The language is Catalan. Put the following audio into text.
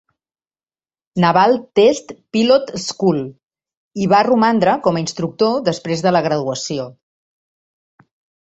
Naval Test Pilot School, i va romandre com a instructor després de la graduació.